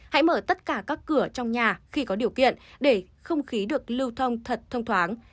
hãy mở tất cả các cửa trong nhà khi có điều kiện để không khí được lưu thông thật thông thoáng